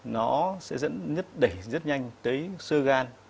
nó sẽ dẫn nhất đẩy rất nhanh tới sơ gan